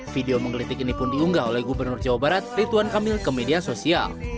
video menggelitik ini pun diunggah oleh gubernur jawa barat rituan kamil ke media sosial